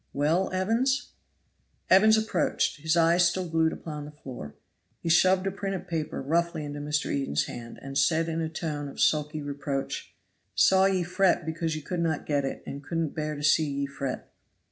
"Well, Evans?" Evans approached, his eyes still glued upon the floor. He shoved a printed paper roughly into Mr. Eden's hand, and said in a tone of sulky reproach, "Saw ye fret because ye could not get it, and couldn't bear to see ye fret."